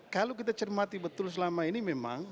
kalau kita cermati betul selama ini memang